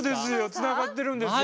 つながってるんですよ